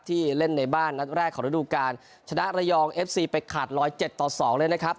เล่นในบ้านนัดแรกของระดูการชนะระยองเอฟซีไปขาดร้อยเจ็ดต่อสองเลยนะครับ